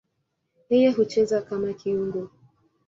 Yeye hucheza kama kiungo.